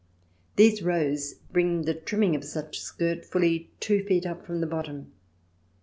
These rows bring the trimming of such skirt fully two feet up from the bottom.